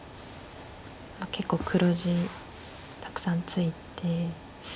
結構黒地たくさんついて。